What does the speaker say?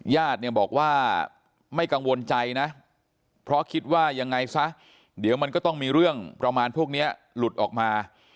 ญาติเนี่ยบอกว่าไม่กังวลใจนะเพราะคิดว่ายังไงซะเดี๋ยวมันก็ต้องมีเรื่องประมาณพวกนี้หลุดออกมา